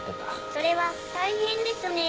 それは大変ですねぇ。